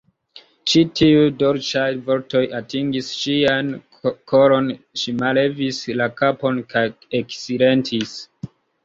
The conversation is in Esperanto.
Ĉi tiuj dolĉaj vortoj atingis ŝian koron; ŝi mallevis la kapon kaj eksilentis.